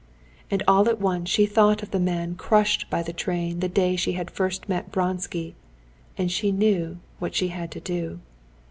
And all at once she thought of the man crushed by the train the day she had first met Vronsky, and she knew what she had to do.